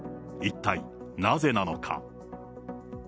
一体、なぜなのか。